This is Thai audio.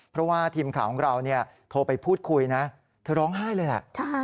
เพราะว่าทีมข่าวของเราโทรไปพูดคุยนะเธอร้องไห้เลยแหละ